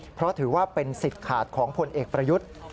เพราะถือว่าเป็นสิทธิ์ขาดของพลเอกประยุทธ์